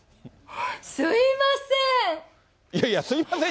すみません！